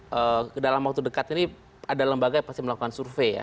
jadi dalam waktu dekat ini ada lembaga yang pasti melakukan survei ya